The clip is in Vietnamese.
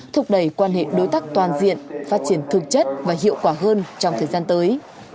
thúc đẩy quan hệ đối tác toàn diện phát triển thực chất và hiệu quả hơn trong thời gian tới